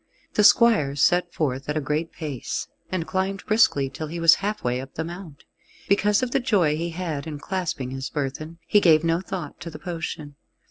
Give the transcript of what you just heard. The squire set forth at a great pace, and climbed briskly till he was halfway up the mount. Because of the joy he had in clasping his burthen, he gave no thought to the potion.